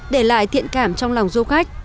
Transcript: để lại thiện cảm trong lòng du khách